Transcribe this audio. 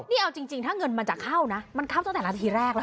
นี่เอาจริงถ้าเงินมันจะเข้านะมันเข้าตั้งแต่นาทีแรกแล้ว